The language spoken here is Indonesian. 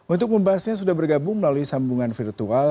untuk membahasnya sudah bergabung melalui sambungan virtual